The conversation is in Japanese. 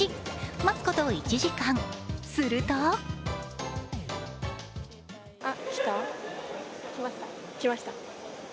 待つこと１時間、すると来ました、来ました。